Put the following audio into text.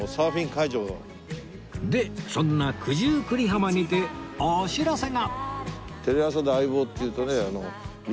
でそんな九十九里浜にてお知らせが